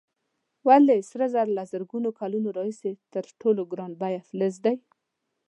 ولې سره زر له زرګونو کلونو راهیسې تر ټولو ګران بیه فلز دی؟